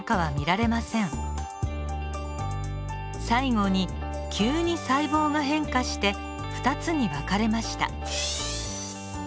最後に急に細胞が変化して２つに分かれました。